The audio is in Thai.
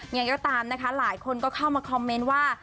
ยังไงก็ตามนะคะหลายคนก็เข้ามาคอมเมนต์ว่า